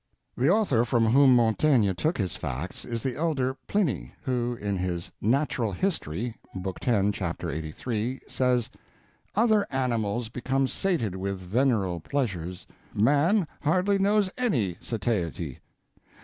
The author from whom Montaigne took his facts is the elder Pliny, who, in his Natural History, Book X, Chapter 83, says, "Other animals become sated with veneral pleasures; man hardly knows any satiety.